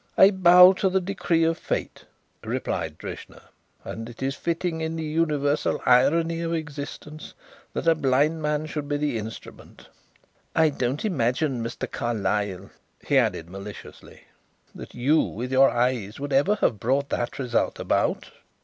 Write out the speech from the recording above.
"I bow to the decree of fate," replied Drishna. "And it is fitting to the universal irony of existence that a blind man should be the instrument. I don't imagine, Mr. Carlyle," he added maliciously, "that you, with your eyes, would ever have brought that result about."